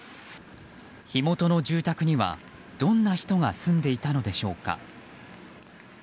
火元の住宅には、どんな人が住んでいたのでしょうか。